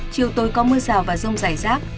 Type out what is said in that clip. chiều tối có mưa rào và rông rải rác